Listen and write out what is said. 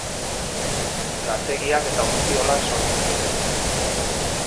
Lantegiak eta ontziolak sortu ziren.